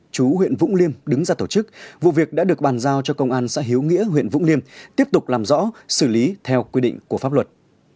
chú huyện vũng liêm đứng ra tổ chức vụ việc đã được bàn giao cho công an xã hiếu nghĩa huyện vũng liêm tiếp tục làm rõ xử lý theo quy định của pháp luật